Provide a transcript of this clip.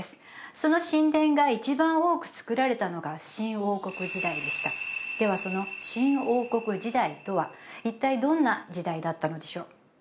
その神殿が一番多くつくられたのが新王国時代でしたではその新王国時代とは一体どんな時代だったのでしょう？